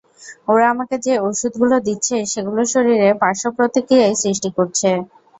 ওরা আমাকে যে ঔষধগুলো দিচ্ছে, সেগুলো শরীরে পার্শ্বপ্রতিক্রিয়ার সৃষ্টি করছে।